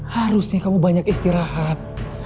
harusnya kamu banyak istirahat